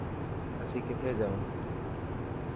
اسين ڪٿي جائون.